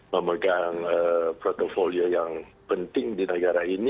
memegang portfolio yang penting di negara ini